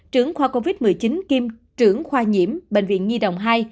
trưởng khoa covid một mươi chín kiêm trưởng khoa nhiễm bệnh viện nhi đồng hai